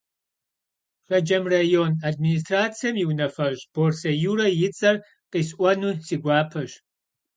Şşecem rayon administratsem yi vunafeş' Borse Yüre yi ts'er khis'uenu si guapeş.